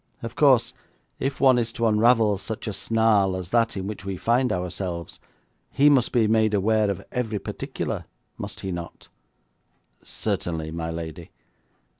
Of course, if one is to unravel such a snarl as that in which we find ourselves, he must be made aware of every particular, must he not?' 'Certainly, my lady.'